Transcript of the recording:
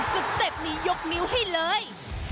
สเต็ปนี้ยกนิ้วให้เลย